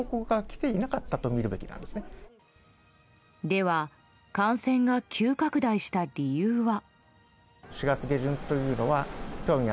では、感染が急拡大した理由は。